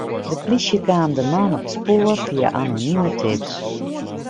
De plysje kaam de man op it spoar fia anonime tips.